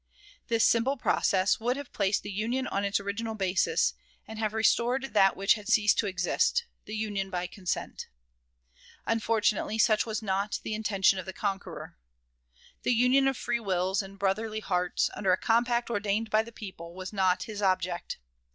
This simple process would have placed the Union on its original basis, and have restored that which had ceased to exist, the Union by consent. Unfortunately, such was not the intention of the conqueror. The Union of free wills and brotherly hearts, under a compact ordained by the people, was not his object.